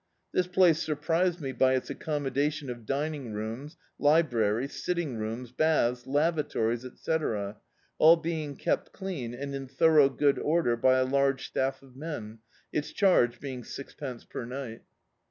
This place surprised me by its accommodation of dining rooms, library, sitting rooms, baths, lavatories, etc., all be ing kept clean and in thorough good order by a large staff of men, its charge being sixpence per nig^t.